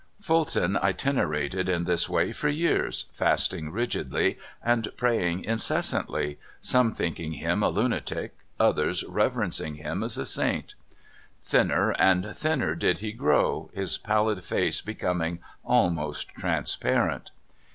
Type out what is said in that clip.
Fulton itinerated in this w^ay for years, fasting rigidly and praying incessant^, some thinking him a lunatic, others reverencing him as a saint. Thinner and thinner did he grow, his palhd face becoming almost transparent.